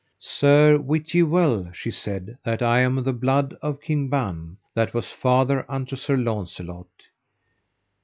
Sir, wit ye well, she said, that I am of the blood of King Ban, that was father unto Sir Launcelot.